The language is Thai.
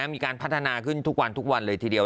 มีการพัฒนาขึ้นทุกวันทุกวันเลยทีเดียว